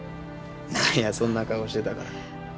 何やそんな顔してたから。